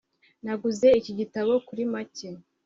Naguze iki gitabo kuri make